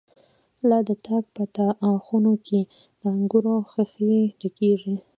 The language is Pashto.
لا د تاک په تا خانو کی، دانګور ښيښی ډکيږی